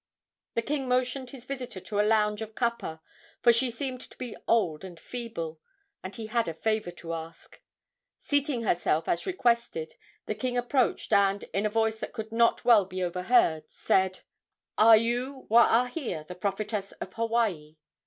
The king motioned his visitor to a lounge of kapa, for she seemed to be old and feeble, and he had a favor to ask. Seating herself, as requested, the king approached, and, in a voice that could not well be overheard, said: "Are you Waahia, the prophetess of Hawaii?"